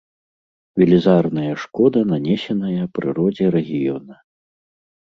Велізарная шкода нанесеная прыродзе рэгіёна.